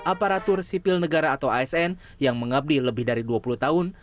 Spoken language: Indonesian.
aparatur sipil negara atau asn yang mengabdi lebih dari dua puluh tahun